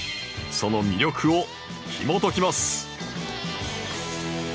その魅力をひもときます！